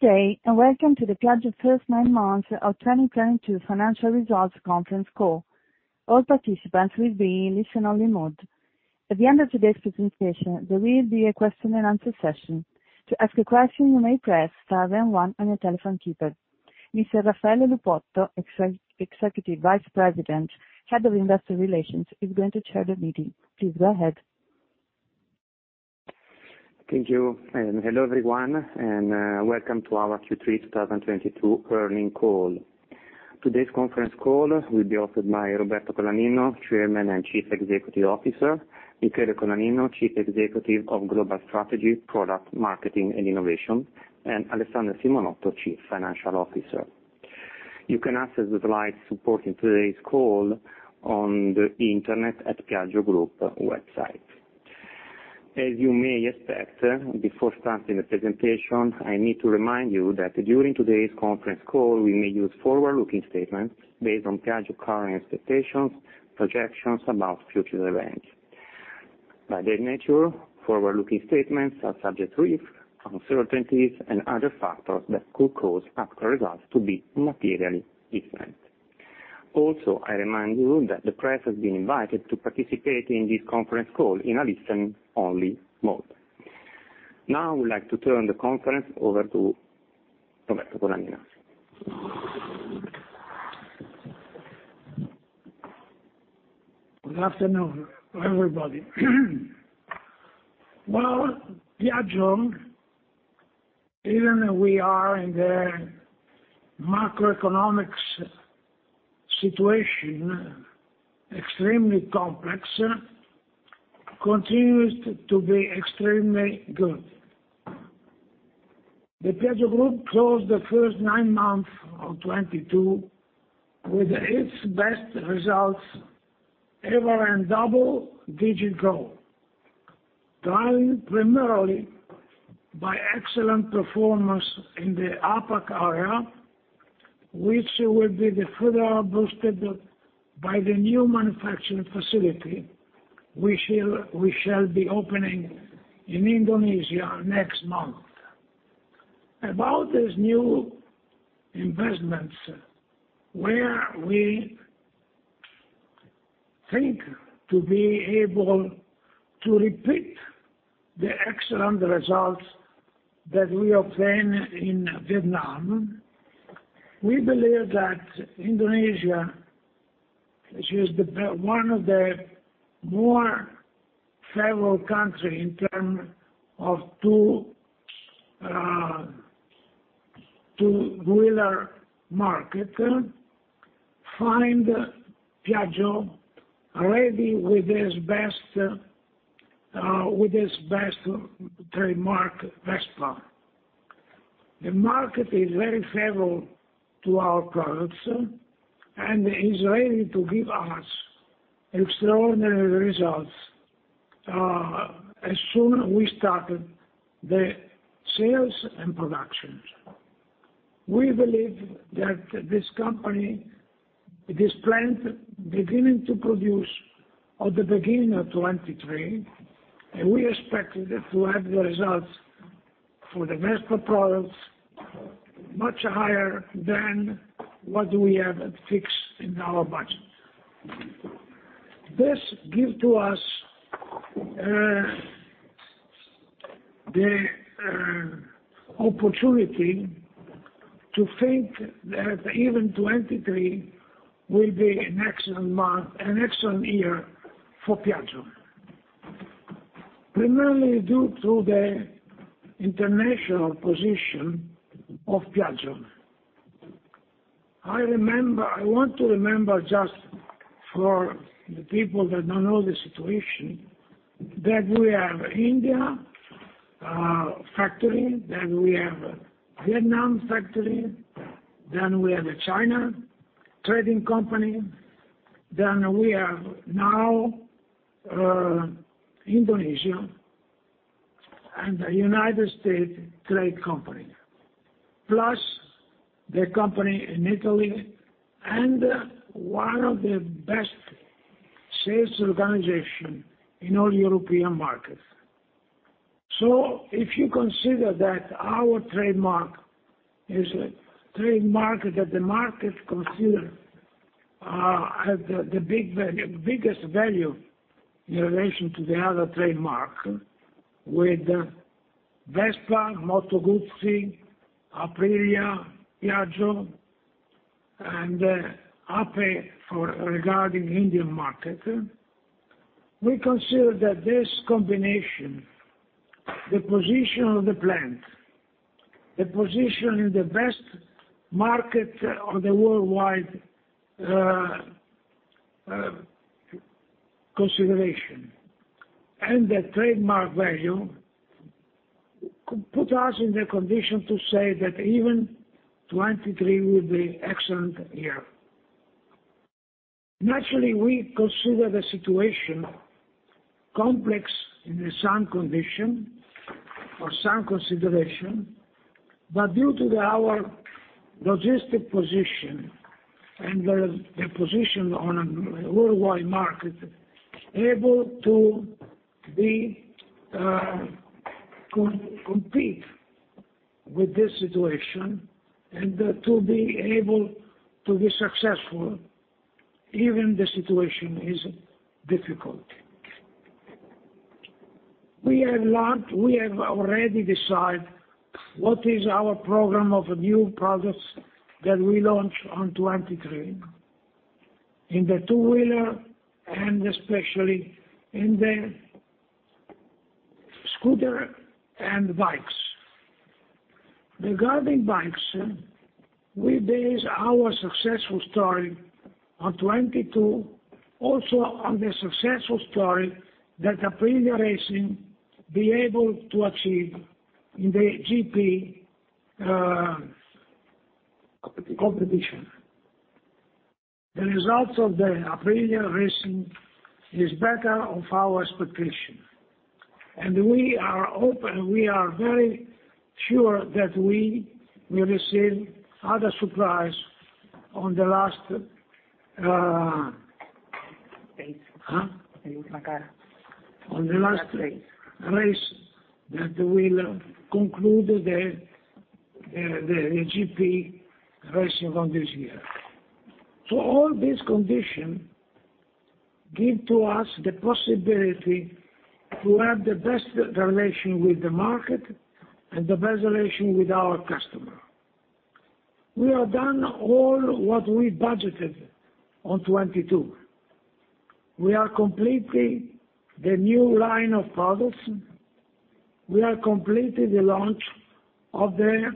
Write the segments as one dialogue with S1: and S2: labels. S1: Good day, and welcome to the Piaggio first nine months of 2022 financial results conference call. All participants will be in listen only mode. At the end of today's presentation, there will be a question and answer session. To ask a question, you may press star then one on your telephone keypad. Mr. Raffaele Lupotto, Executive Vice President, Head of Investor Relations, is going to chair the meeting. Please go ahead.
S2: Thank you, and hello, everyone, and welcome to our Q3 2022 earnings call. Today's conference call will be hosted by Roberto Colaninno, Chairman and Chief Executive Officer, Michele Colaninno, Chief Executive of Global Strategy, Product, Marketing and Innovation, and Alessandra Simonotto, Chief Financial Officer. You can access the slides supporting today's call on the internet at Piaggio Group website. As you may expect, before starting the presentation, I need to remind you that during today's conference call, we may use forward-looking statements based on Piaggio's current expectations, projections about future events. By their nature, forward-looking statements are subject to risks, uncertainties and other factors that could cause actual results to be materially different. Also, I remind you that the press has been invited to participate in this conference call in a listen only mode. Now, I would like to turn the conference over to Roberto Colaninno.
S3: Good afternoon, everybody. Well, Piaggio, even we are in the macroeconomic situation, extremely complex, continues to be extremely good. The Piaggio Group closed the first nine months of 2022 with its best results ever and double-digit growth, driven primarily by excellent performance in the APAC area, which will be further boosted by the new manufacturing facility we shall be opening in Indonesia next month. About these new investments, where we think to be able to repeat the excellent results that we obtain in Vietnam, we believe that Indonesia, which is the one of the more favorable country in term of two wheeler market, find Piaggio already with its best trademark, Vespa. The market is very favorable to our products and is ready to give us extraordinary results, as soon as we start the sales and production. We believe that this company, this plant beginning to produce at the beginning of 2023, and we expect to have the results for the Vespa products much higher than what we have fixed in our budget. This give to us the opportunity to think that even 2023 will be an excellent month, an excellent year for Piaggio, primarily due to the international position of Piaggio. I remember. I want to remember just for the people that don't know the situation, that we have India factory, then we have Vietnam factory, then we have a China trading company, then we have now Indonesia and the United States trade company, plus the company in Italy and one of the best sales organization in all European markets. If you consider that our trademark is a trademark that the market considers have the biggest value in relation to the other trademarks with Vespa, Moto Guzzi, Aprilia, Piaggio and Ape regarding Indian market. We consider that this combination, the position of the plant, the position in the best market on the worldwide consideration and the trademark value could put us in the condition to say that even 2023 will be excellent year. Naturally, we consider the situation complex in some condition or some consideration, but due to our logistics position and the position on a worldwide market able to compete with this situation and to be able to be successful even the situation is difficult. We have learned. We have already decide what is our program of new products that we launch on 2023 in the two-wheeler and especially in the scooter and bikes. Regarding bikes, we base our success story on 2022, also on the success story that Aprilia Racing be able to achieve in the GP competition. The results of the Aprilia Racing is better than our expectation, and we are open, we are very sure that we will receive other surprise on the last.
S4: Race.
S3: Huh?
S4: In the last race.
S3: On the last race that will conclude the GP racing on this year. All this condition give to us the possibility to have the best relation with the market and the best relation with our customer. We are done all what we budgeted on 2022. We are completing the new line of products. We are completing the launch of the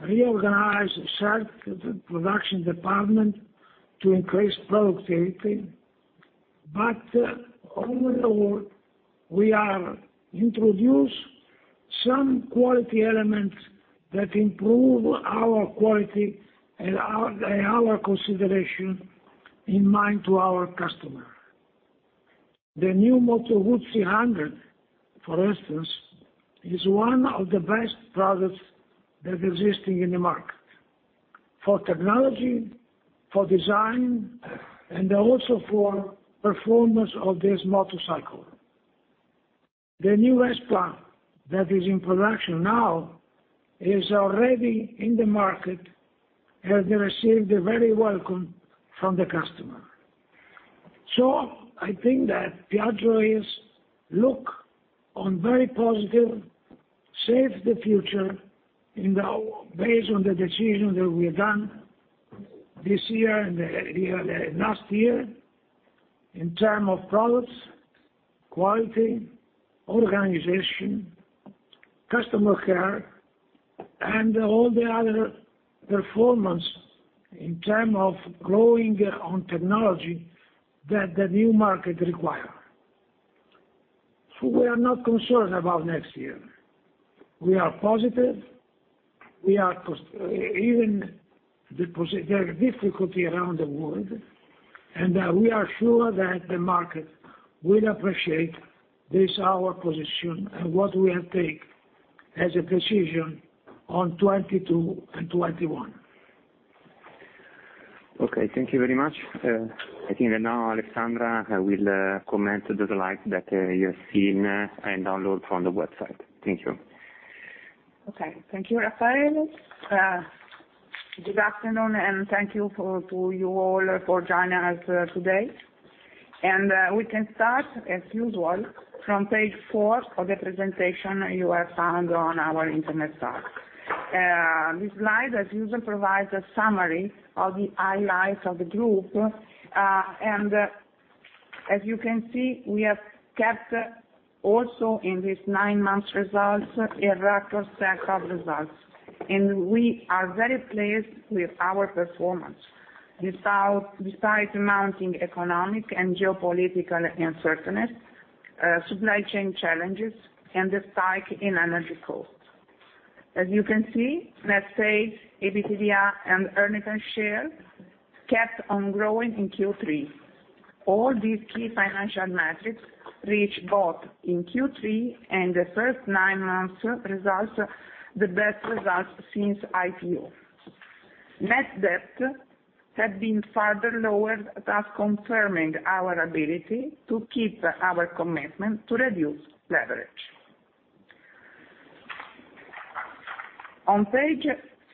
S3: reorganized service-production department to increase productivity. Overall, we are introduce some quality elements that improve our quality and our consideration in mind to our customer. The new Moto Guzzi V100 Mandello, for instance, is one of the best products that existing in the market for technology, for design, and also for performance of this motorcycle. The new Vespa that is in production now is already in the market, has received a very welcome from the customer. I think that Piaggio is look on very positively, see the future based on the decision that we have done this year and the last year in terms of products, quality, organization, customer care, and all the other performance in terms of growing on technology that the new market require. We are not concerned about next year. We are positive. We are confident, even the difficulty around the world, and we are sure that the market will appreciate this our position and what we have take as a decision in 2022 and 2021.
S2: Okay, thank you very much. I think that now Alessandra will comment on the slides that you have seen and download from the website. Thank you.
S4: Okay. Thank you, Raffaele. Good afternoon and thank you to you all for joining us today. We can start as usual from page four of the presentation you have found on our Internet site. This slide as usual provides a summary of the highlights of the group. As you can see, we have kept also in this nine months results, a record set of results, and we are very pleased with our performance despite mounting economic and geopolitical uncertainties, supply chain challenges, and the spike in energy costs. As you can see, let's say EBITDA and earnings per share kept on growing in Q3. All these key financial metrics reached both in Q3 and the first nine months results, the best results since IPO. Net debt had been further lowered, thus confirming our ability to keep our commitment to reduce leverage. On page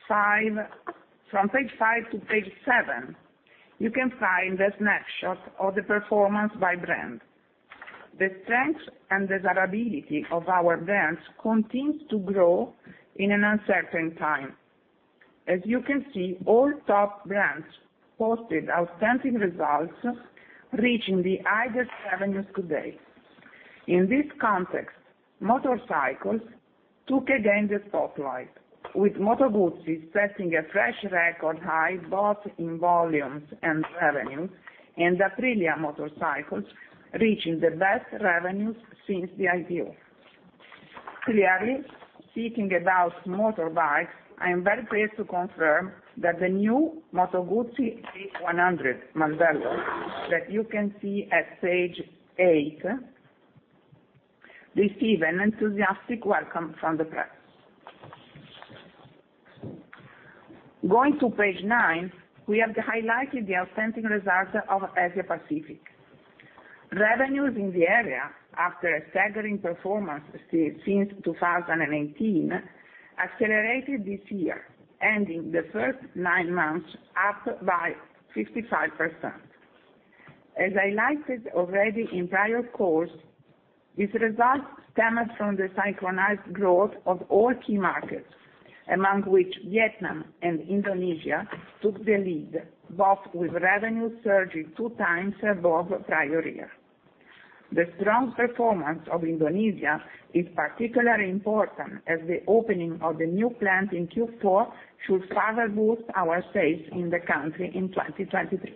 S4: five, from page five to page seven, you can find the snapshot of the performance by brand. The strength and desirability of our brands continues to grow in an uncertain time. As you can see, all top brands posted outstanding results, reaching the highest revenues to date. In this context, motorcycles took again the spotlight, with Moto Guzzi setting a fresh record high both in volumes and revenue, and Aprilia Motorcycles reaching the best revenues since the IPO. Clearly, speaking about motorbikes, I am very pleased to confirm that the new Moto Guzzi V100 Mandello that you can see at page eight received an enthusiastic welcome from the press. Going to page nine, we have highlighted the actual results of Asia Pacific. Revenues in the area, after a staggering performance since 2018, accelerated this year, ending the first nine months up by 55%. As highlighted already in prior calls, this result stemmed from the synchronized growth of all key markets, among which Vietnam and Indonesia took the lead, both with revenue surging 2x above prior year. The strong performance of Indonesia is particularly important, as the opening of the new plant in Q4 should further boost our space in the country in 2023.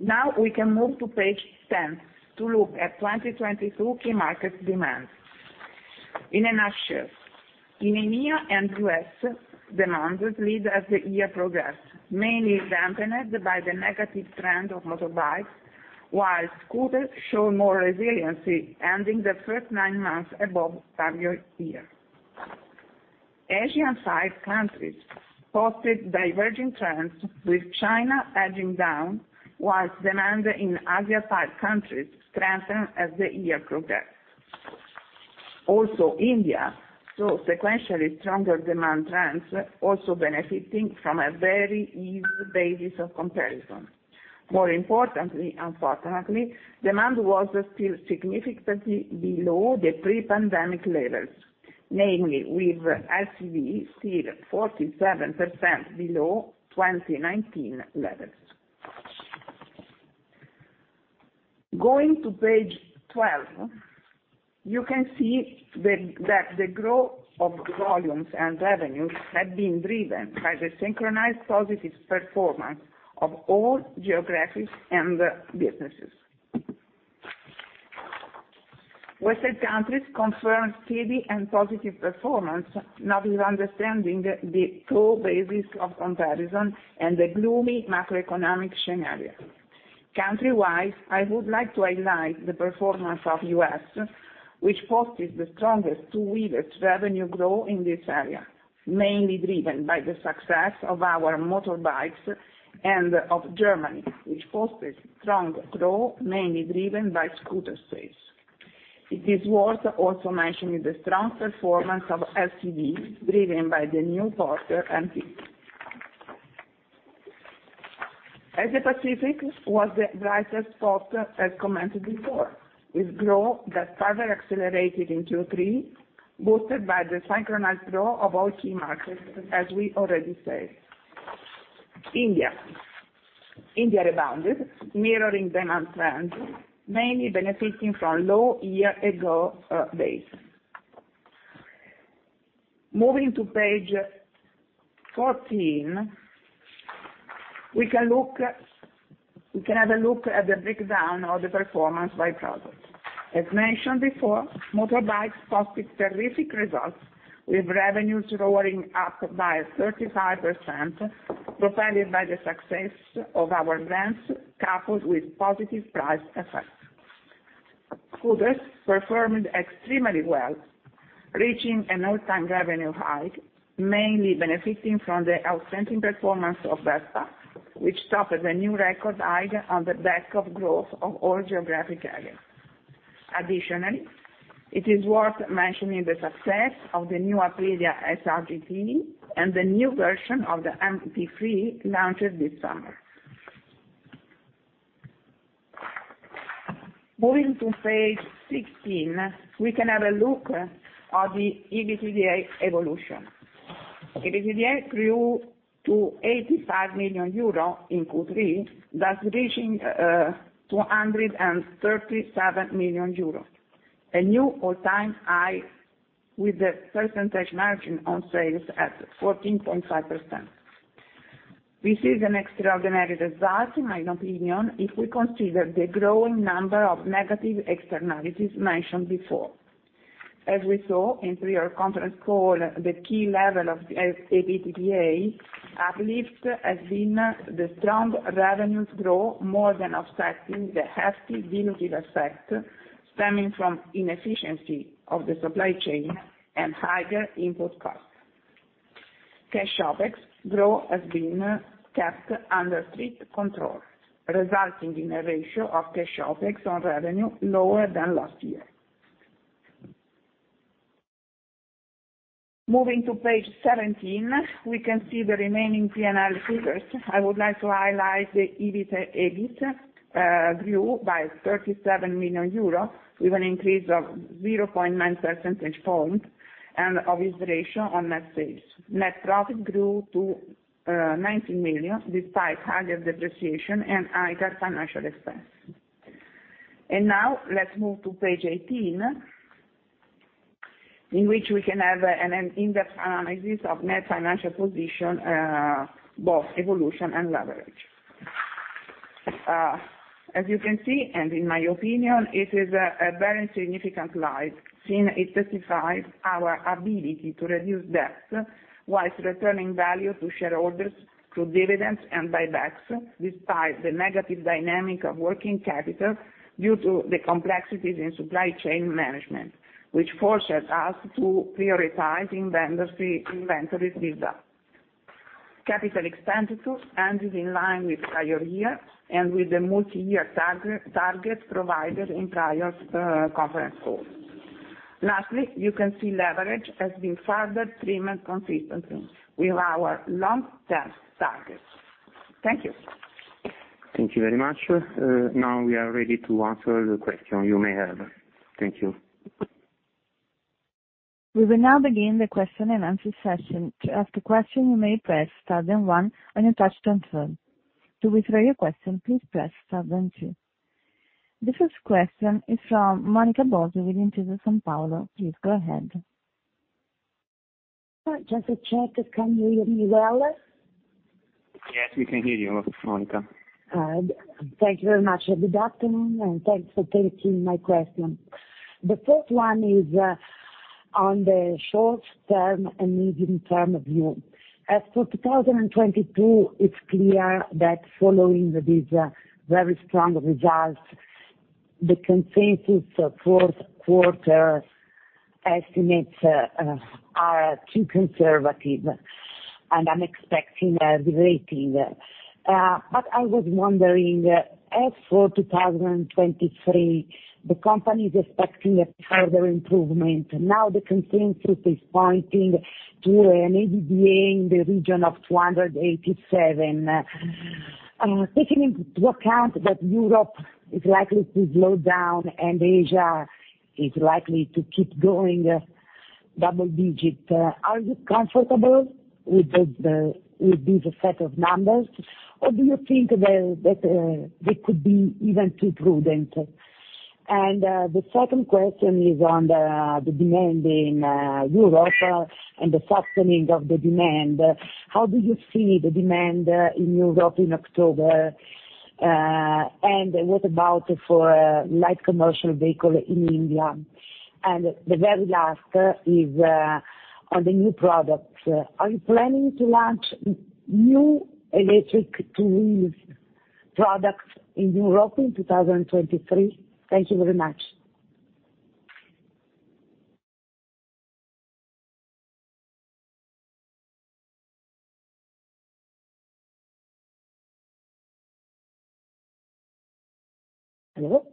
S4: Now we can move to page 10 to look at 2022 key market demand. In a nutshell, in EMEA and the U.S., demand slid as the year progressed, mainly dampened by the negative trend of motorbikes, while scooters show more resiliency, ending the first nine months above prior year. Asian five countries posted diverging trends with China edging down, while demand in Asia five countries strengthened as the year progressed. Also, India saw sequentially stronger demand trends, also benefiting from a very easy basis of comparison. More importantly, unfortunately, demand was still significantly below the pre-pandemic levels, namely with LCV still 47% below 2019 levels. Going to page 12, you can see that the growth of volumes and revenues have been driven by the synchronized positive performance of all geographies and businesses. Western countries confirmed steady and positive performance, notwithstanding the poor basis of comparison and the gloomy macroeconomic scenario. Country-wise, I would like to highlight the performance of U.S., which posted the strongest Two-Wheelers revenue growth in this area, mainly driven by the success of our motorbikes, and of Germany, which posted strong growth, mainly driven by scooter sales. It is worth also mentioning the strong performance of LCV, driven by the new Porter and Piaggio. Asia Pacific was the brightest spot, as commented before, with growth that further accelerated in Q3, boosted by the synchronized growth of all key markets, as we already said. India rebounded, mirroring demand trends, mainly benefiting from low year-ago base. Moving to page 14, we can have a look at the breakdown of the performance by product. As mentioned before, motorbikes posted terrific results, with revenues soaring up by 35%, propelled by the success of our brands, coupled with positive price effect. Scooters performed extremely well, reaching an all-time revenue high, mainly benefiting from the outstanding performance of Vespa, which topped the new record high on the back of growth of all geographic areas. Additionally, it is worth mentioning the success of the new Aprilia SR GT and the new version of the MP3 launched this summer. Moving to page 16, we can have a look at the EBITDA evolution. EBITDA grew to 85 million euro in Q3, thus reaching 237 million euro, a new all-time high with the percentage margin on sales at 14.5%. This is an extraordinary result in my opinion if we consider the growing number of negative externalities mentioned before. As we saw in prior conference call, the key level of the EBITDA uplift has been the strong revenue growth more than offsetting the hefty dilutive effect stemming from inefficiency of the supply chain and higher input costs. Cash OpEx growth has been kept under strict control, resulting in a ratio of cash OpEx on revenue lower than last year. Moving to page 17, we can see the remaining P&L figures. I would like to highlight the EBIT grew by 37 million euros with an increase of 0.9 percentage point and of its ratio on net sales. Net profit grew to 19 million, despite higher depreciation and higher financial expense. Now let's move to page 18, in which we can have an in-depth analysis of net financial position both evolution and leverage. As you can see, and in my opinion, it is a very significant rise, since it testifies our ability to reduce debt while returning value to shareholders through dividends and buybacks, despite the negative dynamic of working capital due to the complexities in supply chain management, which forces us to prioritizing the industry inventories build up. Capital expenditures ended in line with prior year and with the multiyear target provided in prior conference calls. Lastly, you can see leverage has been further trimmed consistently with our long-term targets. Thank you.
S2: Thank you very much. Now we are ready to answer the question you may have. Thank you.
S1: We will now begin the question-and-answer session. To ask a question, you may press star then one when using your touch-tone phone. To withdraw your question, please press star then two. The first question is from Monica Bosio with Intesa Sanpaolo. Please go ahead.
S5: Just to check. Can you hear me well?
S2: Yes, we can hear you, Monica.
S5: Thank you very much. Good afternoon, and thanks for taking my question. The first one is on the short term and medium term view. As for 2022, it's clear that following these very strong results, the consensus for fourth quarter estimates are too conservative, and I'm expecting a beat. I was wondering, as for 2023, the company is expecting a further improvement. Now the consensus is pointing to an EBITDA in the region of 287 million. Taking into account that Europe is likely to slow down and Asia is likely to keep going double digits, are you comfortable with these set of numbers, or do you think that they could be even too prudent? The second question is on the demand in Europe and the softening of the demand. How do you see the demand in Europe in October? What about for light commercial vehicle in India? The very last is on the new products. Are you planning to launch new electric two-wheel products in Europe in 2023? Thank you very much. Hello?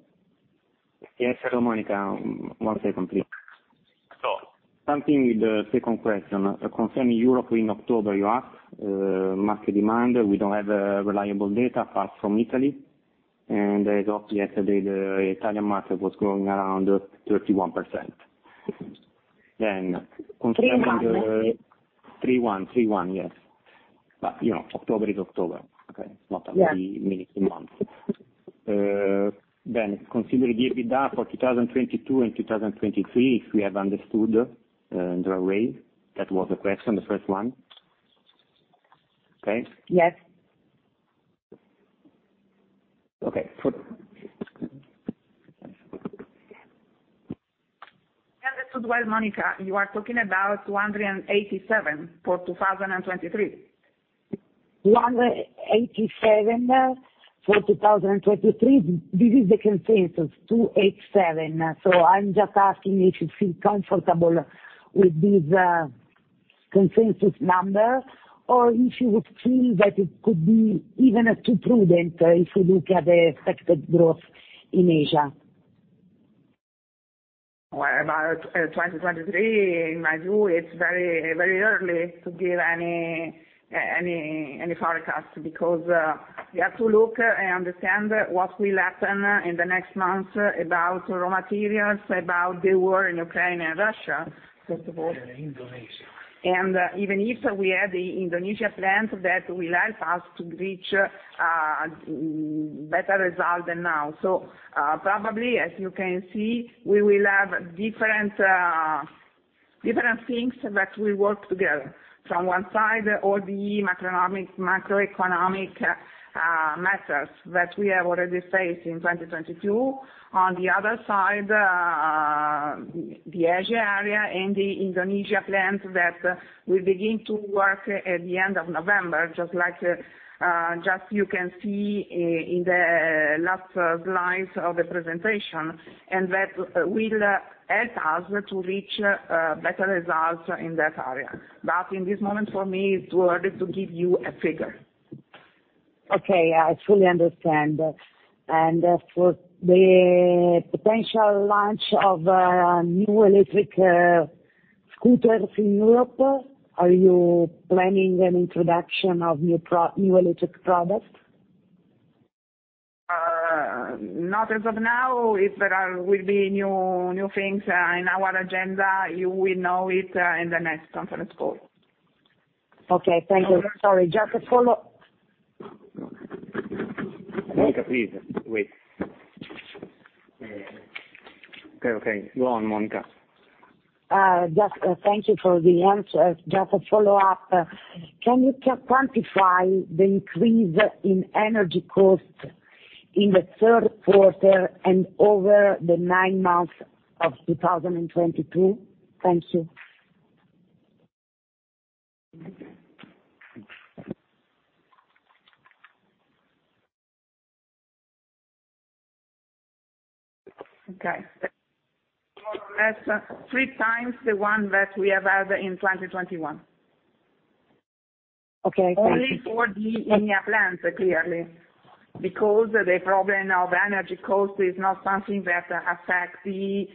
S2: Yes. Hello, Monica. One second, please. Starting with the second question. Concerning Europe in October, you ask, market demand, we don't have reliable data apart from Italy. As of yesterday the Italian market was growing around 31%. Concerning the-
S5: 31%?
S2: 31%. Yes. You know, October is October. Okay.
S5: Yeah.
S2: Not a really meaningful month. Considering EBITDA for 2022 and 2023, if we have understood the array. That was the question, the first one. Okay.
S5: Yes.
S2: Okay.
S4: Understood. Well, Monica, you are talking about 287 million for 2023.
S5: 287 million for 2023, this is the consensus, 287 million. I'm just asking if you feel comfortable with this consensus number or if you would feel that it could be even too prudent if you look at the expected growth in Asia.
S4: Well, about 2023, in my view, it's very, very early to give any forecast because we have to look and understand what will happen in the next months about raw materials, about the war in Ukraine and Russia, first of all.
S2: Indonesia.
S4: Even if we have the Indonesia plant, that will help us to reach better result than now. Probably, as you can see, we will have different things that will work together. From one side, all the macroeconomic matters that we have already faced in 2022. On the other side, the Asia area and the Indonesia plant that will begin to work at the end of November, as you can see in the last slide of the presentation, and that will help us to reach better results in that area. In this moment, for me, it's too early to give you a figure.
S5: Okay. I fully understand. For the potential launch of new electric scooters in Europe, are you planning an introduction of new electric products?
S4: Not as of now. If there will be new things in our agenda, you will know it in the next conference call.
S5: Okay. Thank you. Sorry, just a follow up.
S2: Monica, please wait.
S4: Okay. Go on, Monica.
S5: Just thank you for the answer. Just a follow-up. Can you quantify the increase in energy cost in the third quarter and over the nine months of 2022? Thank you.
S4: Okay. That's 3x the one that we have had in 2021.
S5: Okay, thank you.
S4: Only for the Indian plants, clearly. Because the problem of energy cost is not something that affects the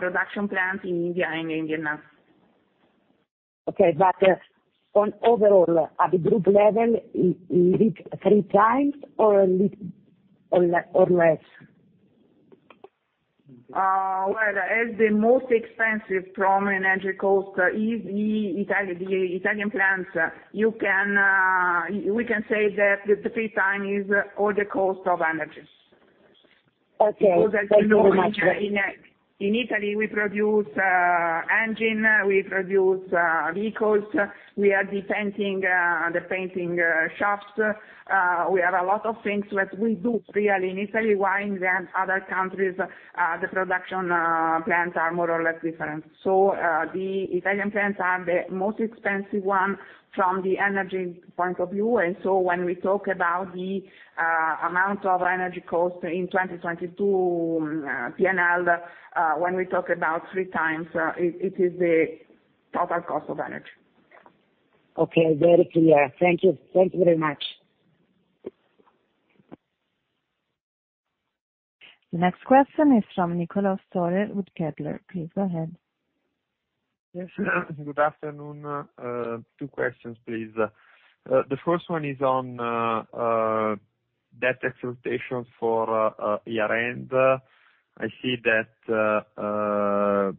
S4: production plant in India and India now.
S5: Okay. On overall, at the group level, is it three times or at least or less?
S4: Well, as the most expensive from an energy cost is the Italian plants, you can, we can say that the three times is all the cost of energy.
S5: Okay. Thank you very much.
S4: Because as you know, in Italy we produce engines, we produce vehicles, we are painting the painting shops. We have a lot of things that we do really in Italy while in the other countries, the production plants are more or less different. The Italian plants are the most expensive one from the energy point of view. When we talk about the amount of energy cost in 2022, P&L, when we talk about three times, it is the total cost of energy.
S5: Okay. Very clear. Thank you. Thank you very much.
S1: The next question is from Niccolò Storer with Kepler Cheuvreux. Please go ahead.
S6: Good afternoon. Two questions, please. The first one is on debt expectations for year-end. I see that Q3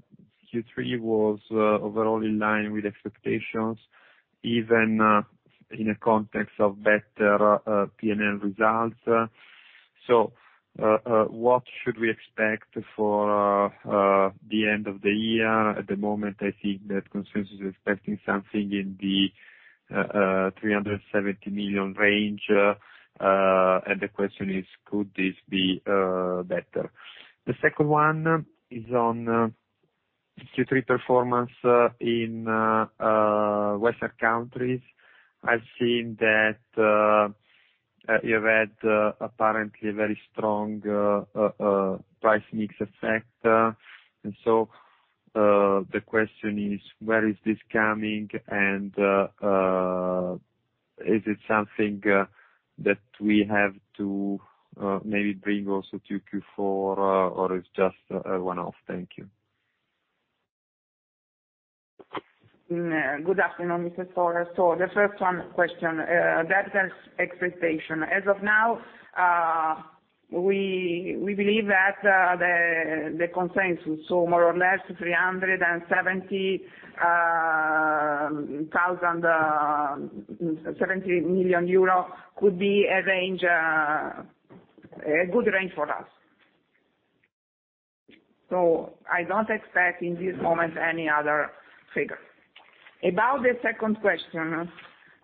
S6: was overall in line with expectations, even in a context of better P&L results. What should we expect for the end of the year? At the moment, I think that consensus is expecting something in the 370 million range. And the question is, could this be better? The second one is on Q3 performance in Western countries. I've seen that you had apparently a very strong price mix effect. The question is, where is this coming? Is it something that we have to maybe bring also to Q4, or it's just a one-off? Thank you.
S4: Good afternoon, Mr. Storer. The first question, debt expectation. As of now, we believe that the consensus, so more or less 370,000-70 million euro could be a range, a good range for us. I don't expect in this moment any other figure. About the second question,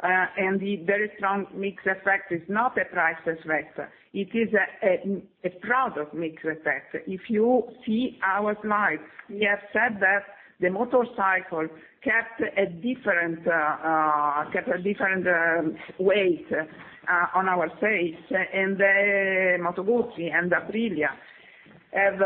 S4: the very strong mix effect is not a price effect. It is a product mix effect. If you see our slides, we have said that the motorcycle kept a different weight on our sales. Moto Guzzi and Aprilia have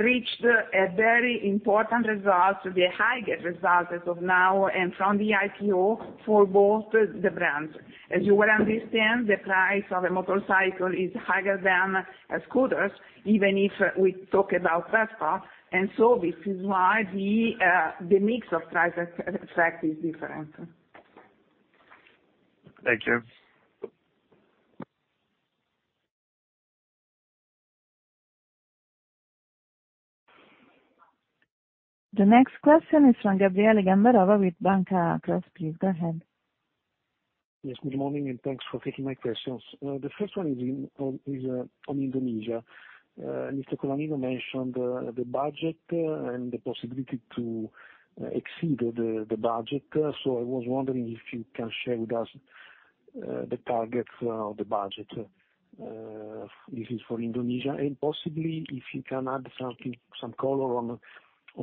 S4: reached a very important result, the highest result as of now and from the IPO for both the brands. As you well understand, the price of a motorcycle is higher than scooters, even if we talk about Vespa. This is why the mix of price effect is different.
S6: Thank you.
S1: The next question is from Gabriele Gambarova with Banca Akros. Please go ahead.
S7: Yes, good morning, and thanks for taking my questions. The first one is on Indonesia. Mr. Colaninno mentioned the budget and the possibility to exceed the budget. I was wondering if you can share with us the target of the budget if it's for Indonesia. Possibly if you can add something, some color on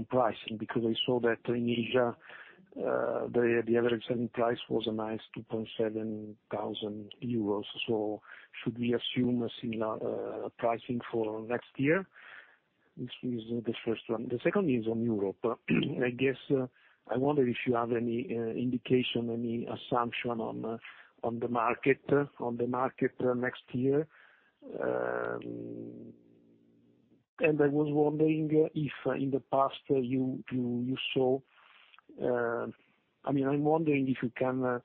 S7: pricing, because I saw that in Asia the average selling price was a nice 2,700 euros. Should we assume a similar pricing for next year? This is the first one. The second is on Europe. I guess I wonder if you have any indication, any assumption on the market next year. I was wondering if in the past you saw I mean, I'm wondering if you can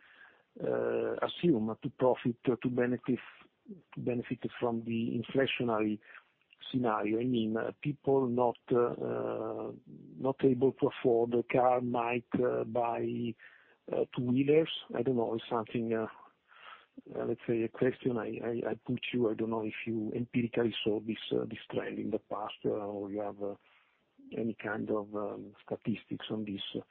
S7: assume to profit, to benefit from the inflationary scenario. I mean, people not able to afford a car might buy Two-Wheelers. I don't know, something. Let's say a question I put you. I don't know if you empirically saw this trend in the past or you have any kind of statistics on this.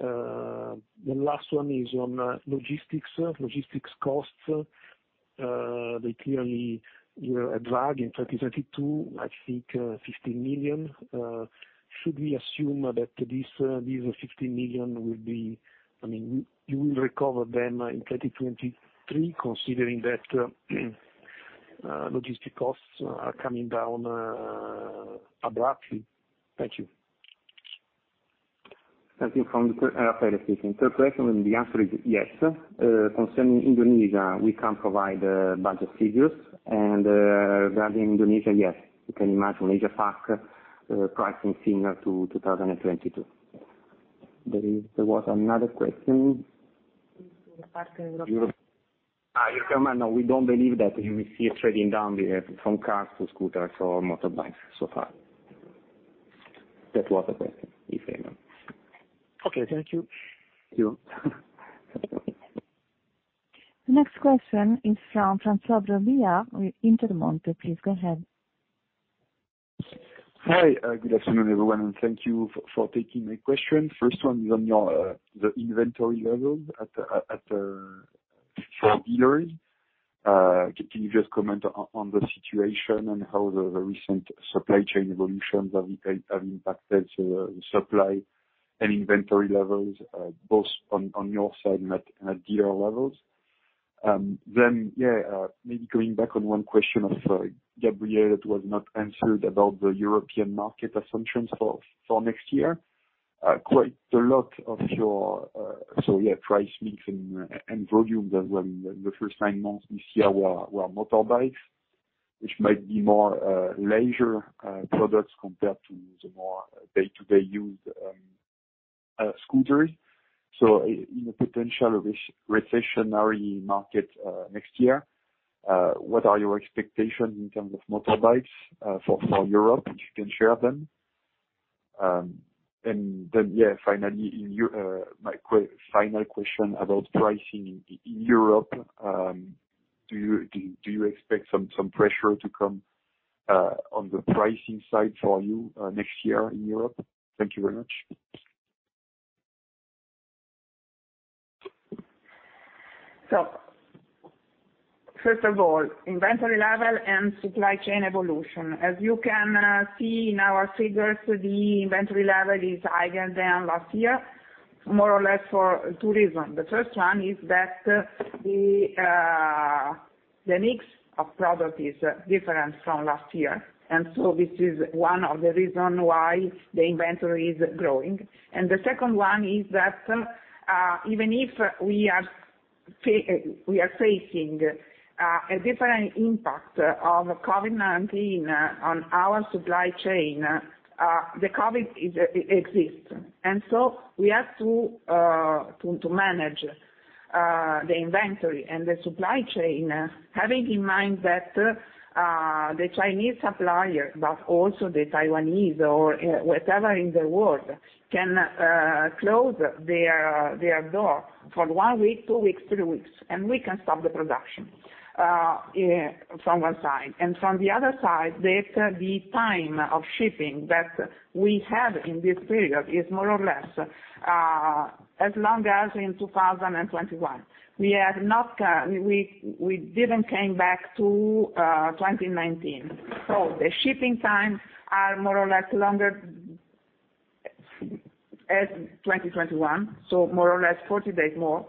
S7: The last one is on logistics. Logistics costs, they clearly, you know, a drag in 2022, I think, 15 million. Should we assume that this 15 million will be. I mean, you will recover them in 2023, considering that logistics costs are coming down abruptly? Thank you.
S2: Thank you. First question, the answer is yes. Concerning Indonesia, we can provide budget figures. Regarding Indonesia, yes. You can imagine APAC pricing similar to 2022. There is another question. You come on. No, we don't believe that you will see a trading down from cars to scooters or motorbikes so far. That was the question, if I know.
S7: Okay, thank you.
S2: You.
S1: Next question is from François Robillard with Intermonte. Please go ahead.
S8: Hi, good afternoon, everyone, and thank you for taking my question. First one is on the inventory levels at for dealers. Can you just comment on the situation and how the recent supply chain evolutions have impacted supply and inventory levels both on your side and at dealer levels? Maybe going back on one question of Gabriele that was not answered about the European market assumptions for next year. Quite a lot of your price mix and volume that were in the first nine months this year were motorbikes, which might be more leisure products compared to the more day-to-day used scooters. In a potential recessionary market next year, what are your expectations in terms of motorcycles for Europe, if you can share them? Yeah, finally, my final question about pricing in Europe, do you expect some pressure to come on the pricing side for you next year in Europe? Thank you very much.
S4: First of all, inventory level and supply chain evolution. As you can see in our figures, the inventory level is higher than last year, more or less for two reason. The first one is that the mix of product is different from last year. This is one of the reason why the inventory is growing. The second one is that even if we are facing a different impact of COVID-19 on our supply chain, the COVID-19 exists. We have to manage the inventory and the supply chain, having in mind that the Chinese supplier, but also the Taiwanese or whatever in the world, can close their door for one week, two weeks, three weeks, and we can stop the production from one side. From the other side, that the time of shipping that we have in this period is more or less as long as in 2021. We didn't come back to 2019. The shipping times are more or less longer than 2021, so more or less 40 days more.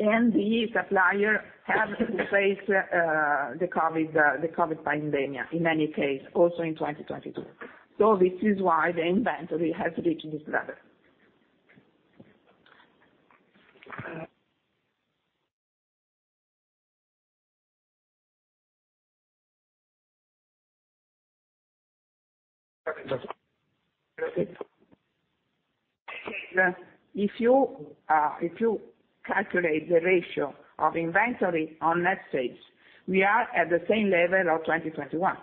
S4: The suppliers have faced the COVID pandemic in any case, also in 2022. This is why the inventory has reached this level. If you calculate the ratio of inventory on net sales, we are at the same level as 2021.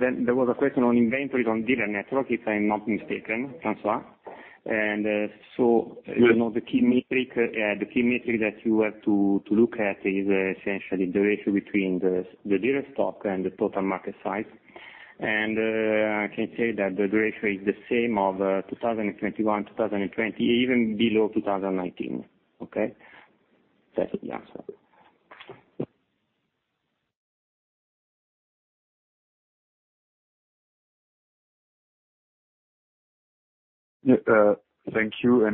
S2: There was a question on inventory on dealer network, if I'm not mistaken, François. You know, the key metric that you have to look at is essentially the ratio between the dealer stock and the total market size. I can say that the ratio is the same as 2021, 2020, even below 2019. Okay. That's the answer.
S8: Yeah, thank you.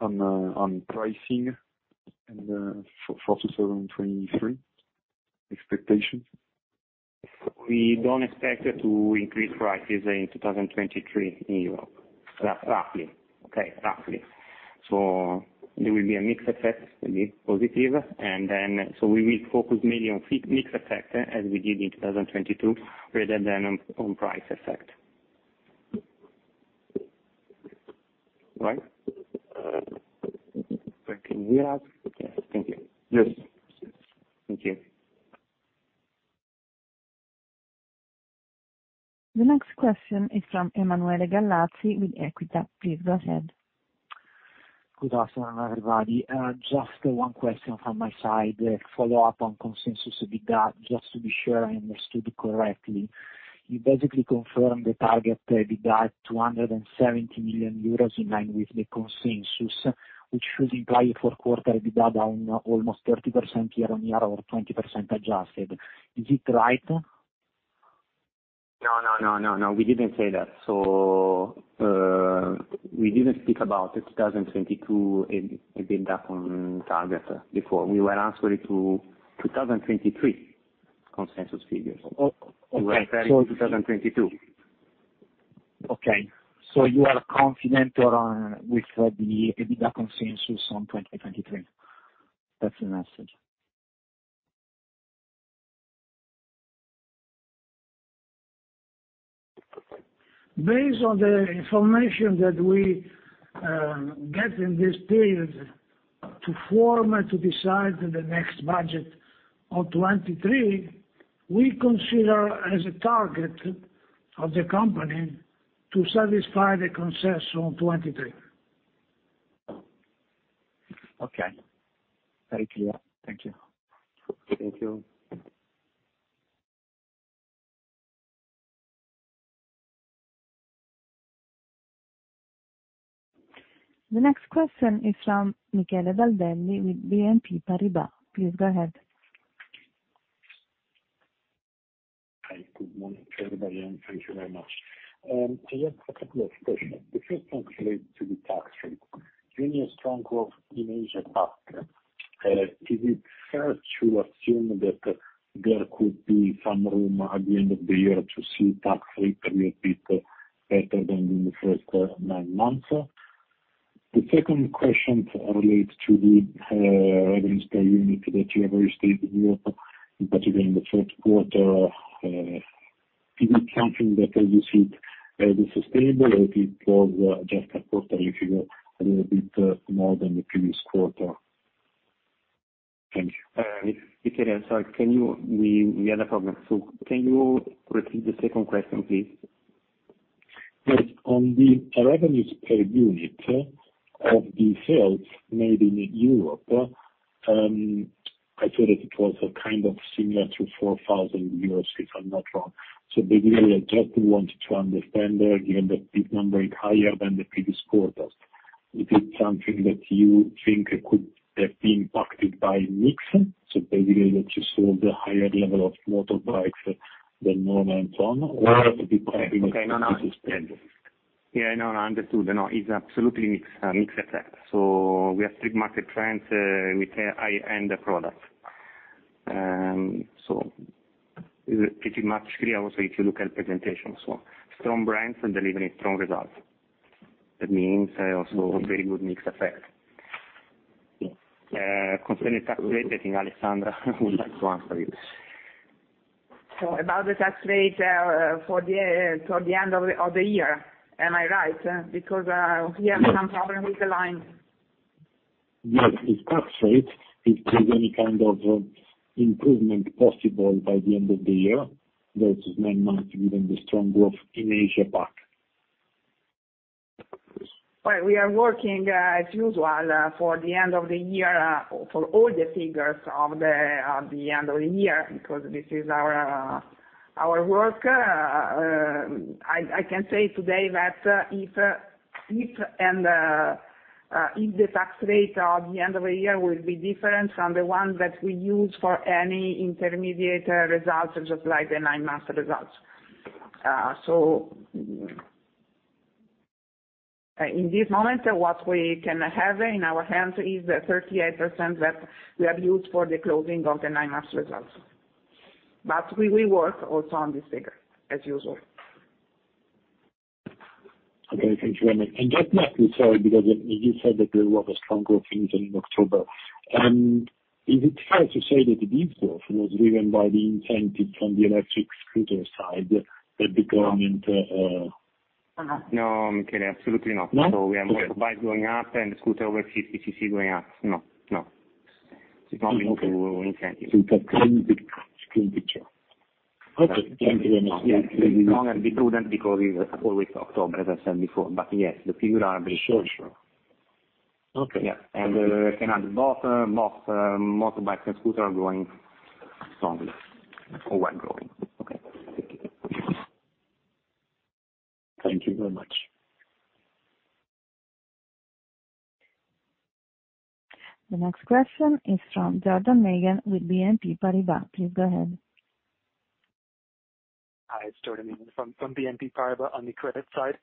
S8: On pricing and for 2023, expectations.
S2: We don't expect to increase prices in 2023 in Europe. Roughly. Okay. Roughly. There will be a mix effect, maybe positive. We will focus mainly on mix effect, as we did in 2022, rather than on price effect.
S8: Right. Thank you, Raffaele. Thank you.
S2: Yes. Thank you.
S1: The next question is from Emanuele Gallazzi with Equita. Please go ahead.
S9: Good afternoon, everybody. Just one question from my side, follow up on consensus EBITDA, just to be sure I understood correctly. You basically confirmed the target, EBITDA at 270 million euros in line with the consensus, which should imply a fourth quarter EBITDA down almost 30% year-on-year or 20% adjusted. Is it right?
S2: No. We didn't say that. We didn't speak about the 2022 EBITDA on target before. We were answering to 2023 consensus figures.
S9: Oh, okay.
S2: To 2022.
S9: Okay. You are confident with the EBITDA consensus on 2023? That's the message.
S3: Based on the information that we get in this period to form and to decide the next budget of 2023, we consider as a target of the company to satisfy the consensus on 2023.
S9: Okay. Very clear. Thank you.
S2: Thank you.
S1: The next question is from Michele Baldelli with BNP Paribas. Please go ahead.
S10: Hi, good morning, everybody, and thank you very much. So just a couple of questions. The first one relates to the tax rate. During a strong growth in APAC, is it fair to assume that there could be some room at the end of the year to see tax rate a little bit better than in the first nine months? The second question relates to the revenue per unit that you have restated in Europe, in particular in the fourth quarter. Is it something that you see as sustainable, or it was just a quarter if you go a little bit more than the previous quarter? Thank you.
S2: Michele, sorry, we had a problem. Can you repeat the second question, please?
S10: Yes. On the revenues per unit of the sales made in Europe, I thought that it was a kind of similar to 4,000 euros, if I'm not wrong. Basically, I just want to understand, given that this number is higher than the previous quarters, is it something that you think could have been impacted by mix, so basically that you sold a higher level of motorbikes than normal and so on? Or could it be something?
S2: Okay. No, no.
S10: -sustainable?
S2: Yeah, no. Understood. No, it's absolutely a mix effect. We have strong market trends with high-end products. It's pretty much clear also if you look at presentations. Strong brands are delivering strong results. That means also a very good mix effect. Concerning tax rate, I think Alessandra would like to answer you.
S4: About the tax rate for the end of the year, am I right? Because we have some problem with the line.
S10: Yes. With tax rate, is there any kind of improvement possible by the end of the year versus nine months, given the strong growth in APAC?
S4: Well, we are working, as usual, for the end of the year, for all the figures of the end of the year, because this is our work. I can say today that if the tax rate at the end of the year will be different from the one that we use for any interim results, just like the nine-month results. In this moment, what we can have in our hands is the 38% that we have used for the closing of the nine-month results. We will work also on this figure, as usual.
S10: Okay, thank you. Just lastly, sorry, because you said that there was a strong growth in October. Is it fair to say that this growth was driven by the incentive from the electric scooter side that the government
S2: No, Michele, absolutely not.
S10: No? Okay.
S2: We have motorbikes going up and scooter over 50 cc going up. No, no. It's not linked to incentive.
S10: It's a clean picture. Okay. Thank you very much.
S2: Yes. We will always be prudent because it's always October, as I said before. Yes, the figures are very strong.
S10: Sure, sure. Okay.
S2: Yeah. I can add both motorbikes and scooters are growing strongly or were growing.
S10: Okay. Thank you.
S1: The next question is from Jordan Meighan with BNP Paribas. Please go ahead.
S11: Hi, it's Jordan Meighan from BNP Paribas on the credit side.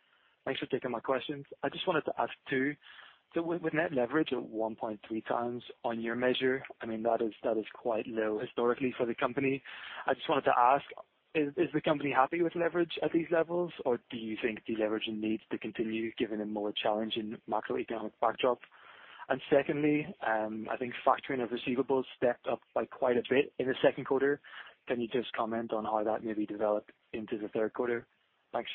S11: Thanks for taking my questions. I just wanted to ask two. With net leverage at 1.3x on your measure, I mean, that is quite low historically for the company. I just wanted to ask, is the company happy with leverage at these levels, or do you think deleveraging needs to continue given a more challenging macroeconomic backdrop? Secondly, I think factoring of receivables stepped up by quite a bit in the second quarter. Can you just comment on how that maybe developed into the third quarter? Thanks.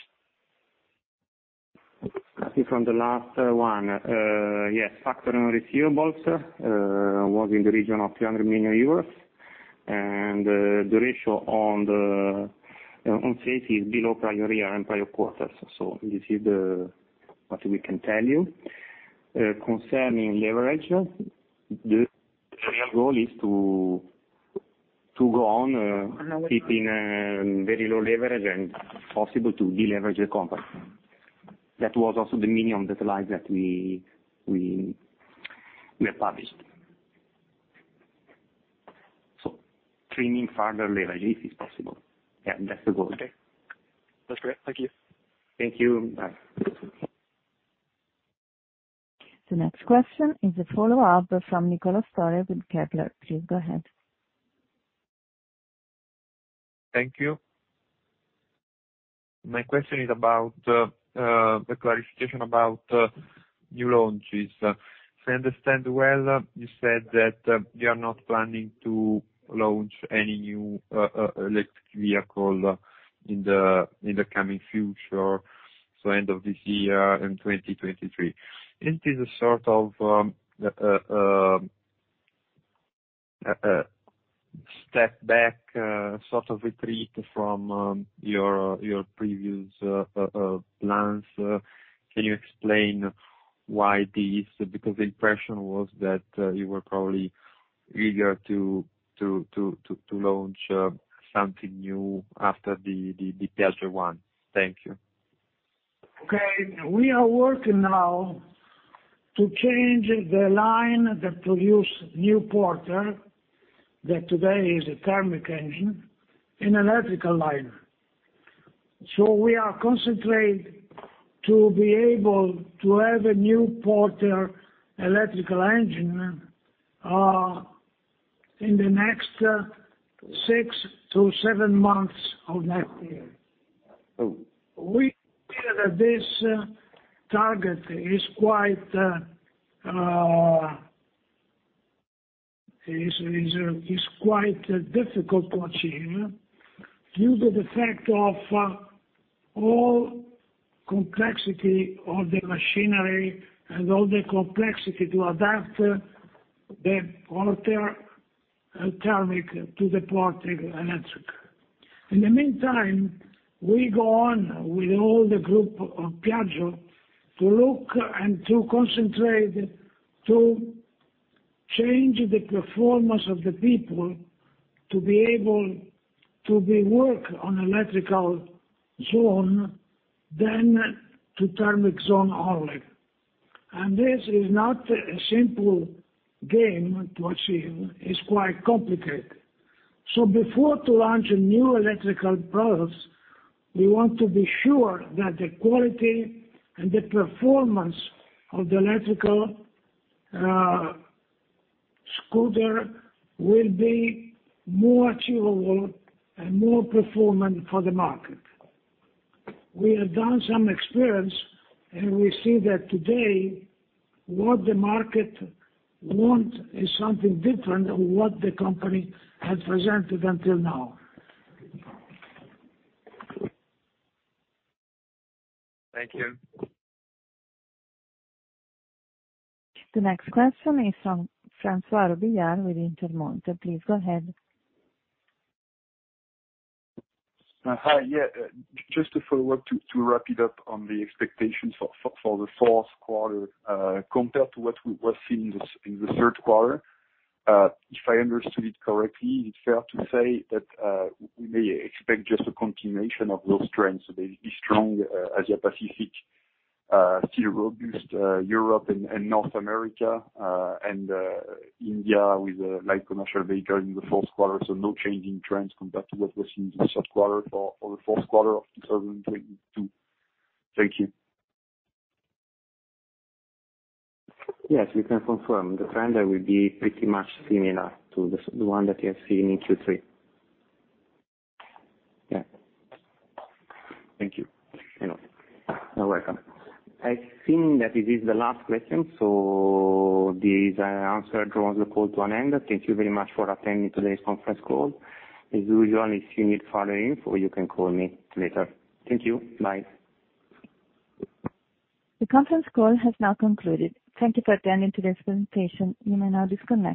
S2: I think from the last one. Yes, factoring receivables was in the region of 300 million euros. The ratio on sales is below prior year and prior quarters. This is what we can tell you. Concerning leverage, the real goal is to go on keeping very low leverage and possible to deleverage the company. That was also the meaning of the slide that we have published. Trimming further leverage if it's possible. Yeah, that's the goal.
S11: Okay. That's great. Thank you.
S2: Thank you. Bye.
S1: The next question is a follow-up from Niccolò Storer with Kepler Cheuvreux. Please go ahead.
S6: Thank you. My question is about a clarification about new launches. If I understand well, you said that you are not planning to launch any new electric vehicle in the coming future, so end of this year and 2023. Is this a sort of step back, sort of retreat from your previous plans? Can you explain why this? Because the impression was that you were probably eager to launch something new after the Piaggio 1. Thank you.
S3: Okay. We are working now to change the line that produce new Porter, that today is a thermal engine, an electric line. We are concentrate to be able to have a new Porter electric engine in the next 6-7 months of next year. We feel that this target is quite difficult to achieve due to the fact of all complexity of the machinery and all the complexity to adapt the Porter thermal to the Porter electric. In the meantime, we go on with all the group of Piaggio to look and to concentrate, to change the performance of the people to be able to be work on electric zone then to thermal zone only. This is not a simple game to achieve. It's quite complicated. Before to launch a new electric products, we want to be sure that the quality and the performance of the electric scooter will be more achievable and more performant for the market. We have done some experience, and we see that today what the market want is something different than what the company had presented until now.
S6: Thank you.
S1: The next question is from François Robillard with Intermonte. Please go ahead.
S8: Hi. Yeah. Just a follow-up to wrap it up on the expectations for the fourth quarter, compared to what we were seeing in the third quarter. If I understood it correctly, is it fair to say that we may expect just a continuation of those trends? They'll be strong Asia Pacific, still robust Europe and North America, and India with like commercial vehicle in the fourth quarter. No change in trends compared to what we see in the third quarter or the fourth quarter of 2022. Thank you.
S2: Yes, we can confirm. The trend will be pretty much similar to the one that you have seen in Q3. Yeah.
S8: Thank you.
S2: You're welcome. I think that this is the last question, so this answer draws the call to an end. Thank you very much for attending today's conference call. As usual, if you need further info, you can call me later. Thank you. Bye.
S1: The conference call has now concluded. Thank you for attending today's presentation. You may now disconnect.